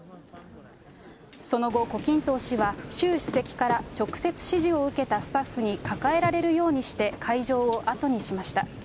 その後、胡錦涛氏は、習主席から直接指示を受けたスタッフに抱えられるようにして会場を後にしました。